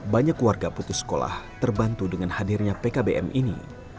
banyak warga putus sekolah terbantu dengan hadirnya pkbm ini